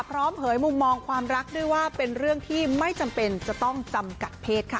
เผยมุมมองความรักด้วยว่าเป็นเรื่องที่ไม่จำเป็นจะต้องจำกัดเพศค่ะ